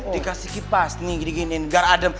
dikasih kipas gini gini gar adem